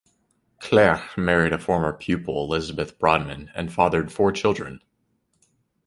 Clerc married a former pupil, Elizabeth Broadman, and fathered four children.